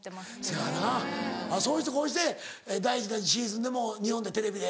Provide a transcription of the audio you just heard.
せやなそうしてこうして大事なシーズンでも日本でテレビで。